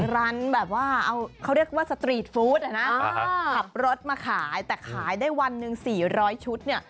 ร้านแบบว่าเขาเรียกว่าสตรีทฟู้ดอ่ะนะขับรถมาขายแต่ขายได้วันหนึ่ง๔๐๐ชุดเนี่ย